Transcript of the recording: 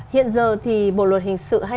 hiện giờ thì bộ luật hình sự hai nghìn một mươi